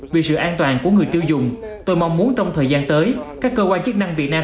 vì sự an toàn của người tiêu dùng tôi mong muốn trong thời gian tới các cơ quan chức năng việt nam